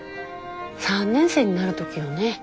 ３年生になる時よね。